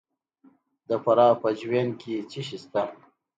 د فراه په جوین کې څه شی شته؟